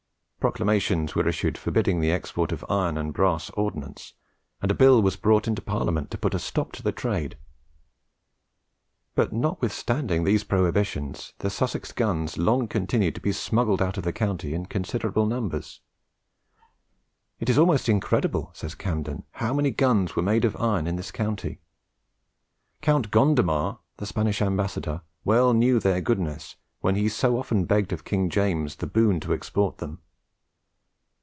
Proclamations were issued forbidding the export of iron and brass ordnance, and a bill was brought into Parliament to put a stop to the trade; but, not withstanding these prohibitions, the Sussex guns long continued to be smuggled out of the country in considerable numbers. "It is almost incredible," says Camden, "how many guns are made of the iron in this county. Count Gondomar (the Spanish ambassador) well knew their goodness when he so often begged of King James the boon to export them."